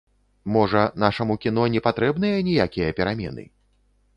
Можа, нашаму кіно не патрэбныя ніякія перамены?